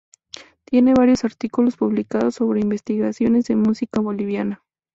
Tiene varios artículos publicados sobre investigaciones de música boliviana.